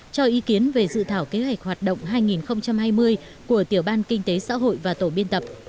cho ý kiến về dự thảo kế hoạch hoạt động hai nghìn hai mươi của tiểu ban kinh tế xã hội và tổ biên tập